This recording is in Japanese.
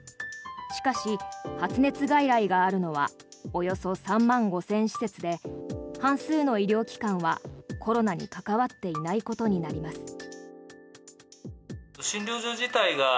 しかし、発熱外来があるのはおよそ３万５０００施設で半数の医療機関はコロナに関わっていないことになります。